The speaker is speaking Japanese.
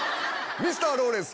ミスターローレンス！